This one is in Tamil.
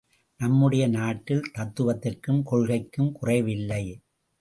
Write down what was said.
நம்முடைய நாட்டில் தத்துவத்திற்கும் கொள்கைக்கும் குறைவில்லை.